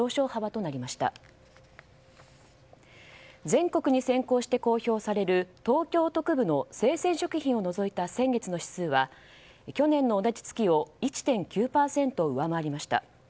全国に先行して公表される東京都区部の生鮮食品を除いた先月の指数は去年の同じ月を１．９％上回りました。